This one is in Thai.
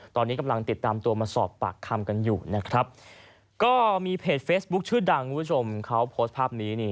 ตอนนี้กำลังติดตามตัวมาสอบปากคำกันอยู่นะครับก็มีเพจเฟซบุ๊คชื่อดังคุณผู้ชมเขาโพสต์ภาพนี้นี่